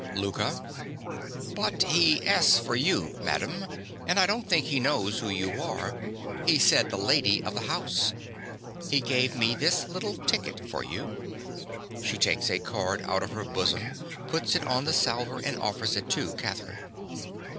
LOUKA. But he asks for you, madam. And I don't think he knows who you are: he said the lady of the house. He gave me this little ticket for you. (_She takes a card out of her bosom; puts it on the salver and offers it to Catherine.